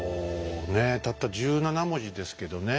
ねえたった１７文字ですけどね